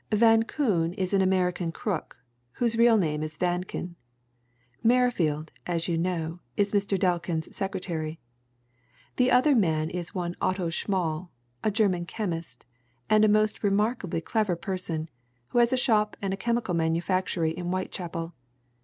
Van Koon is an American crook, whose real name is Vankin; Merrifield, as you know, is Mr. Delkin's secretary; the other man is one Otto Schmall, a German chemist, and a most remarkably clever person, who has a shop and a chemical manufactory in Whitechapel.